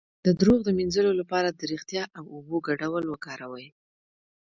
د دروغ د مینځلو لپاره د ریښتیا او اوبو ګډول وکاروئ